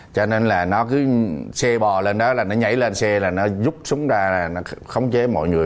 cho nên là nó cứ xe bò lên đó là nó nhảy lên xe là nó rút súng ra nó khống chế mọi người